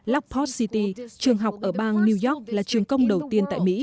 lapot city trường học ở bang new york là trường công đầu tiên tại mỹ